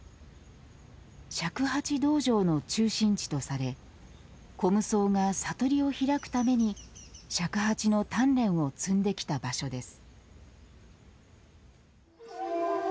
尺八道場の中心地とされ虚無僧が悟りを開くために尺八の鍛錬を積んできた場所です